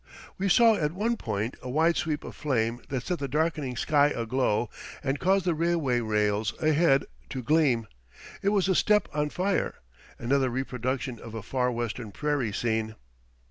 We saw at one point a wide sweep of flame that set the darkening sky aglow and caused the railway rails ahead to gleam. It was the steppe on fire another reproduction of a Far Western prairie scene.